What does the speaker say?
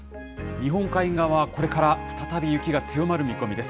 日本海側、これから再び、雪が強まる見込みです。